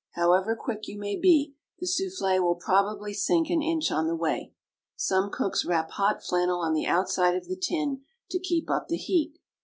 However quick you may be, the souffle will probably sink an inch on the way. Some cooks wrap hot flannel on the outside of the tin to keep up the heat.